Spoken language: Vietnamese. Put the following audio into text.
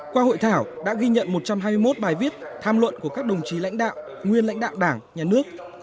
qua hội thảo đã ghi nhận một trăm hai mươi một bài viết tham luận của các đồng chí lãnh đạo nguyên lãnh đạo đảng nhà nước